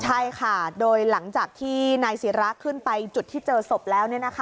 ใช่ค่ะโดยหลังจากที่นายศิราขึ้นไปจุดที่เจอศพแล้ว